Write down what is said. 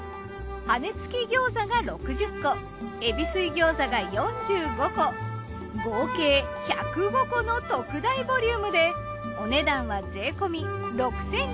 羽根付き餃子が６０個海老水餃子が４５個合計１０５個の特大ボリュームでお値段は。